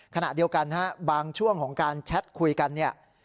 ขณะเดียวกันฮะบางช่วงของการแชทคุยกันเนี่ย